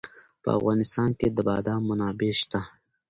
په افغانستان کې د بادام منابع شته.